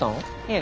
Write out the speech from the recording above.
え？